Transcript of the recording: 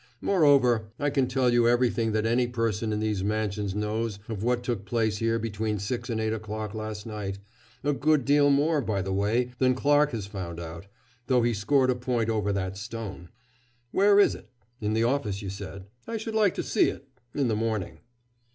Moreover, I can tell you everything that any person in these Mansions knows of what took place here between six and eight o'clock last night a good deal more, by the way, than Clarke has found out, though he scored a point over that stone. Where is it? in the office, you said. I should like to see it in the morning."